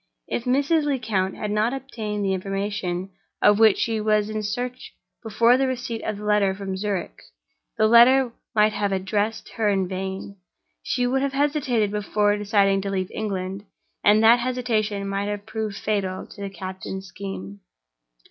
If Mrs. Lecount had not obtained the information of which she was in search before the receipt of the letter from Zurich, the letter might have addressed her in vain. She would have hesitated before deciding to leave England, and that hesitation might have proved fatal to the captain's scheme.